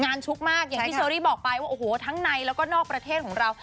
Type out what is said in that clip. ชุกมากอย่างที่เชอรี่บอกไปว่าโอ้โหทั้งในแล้วก็นอกประเทศของเรา